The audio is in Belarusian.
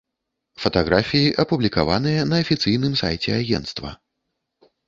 Фатаграфіі апублікаваныя на афіцыйным сайце агенцтва.